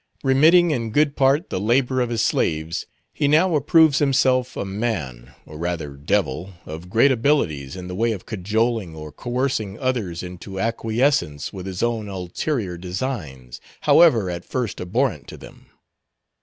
Remitting in good part the labor of his slaves, he now approves himself a man, or rather devil, of great abilities in the way of cajoling or coercing others into acquiescence with his own ulterior designs, however at first abhorrent to them.